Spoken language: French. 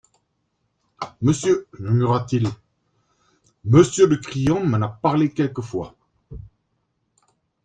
Monsieur, murmura-t-il, Monsieur de Crillon m'en a parlé quelquefois.